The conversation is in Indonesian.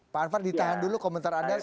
pak anwar ditahan dulu komentar anda